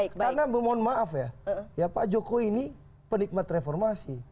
karena saya mohon maaf ya ya pak joko ini penikmat reformasi